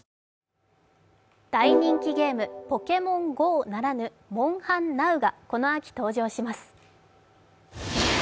大人気ゲーム「ポケモンＧＯ」ならぬ「モンハンナウ」がこの秋登場します。